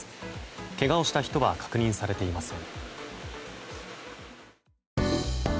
けがをした人は確認されていません。